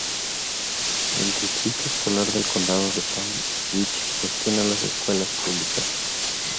El Distrito Escolar del Condado de Palm Beach gestiona las escuelas públicas.